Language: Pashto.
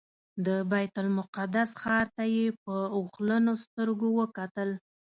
د بیت المقدس ښار ته یې په اوښلنو سترګو وکتل.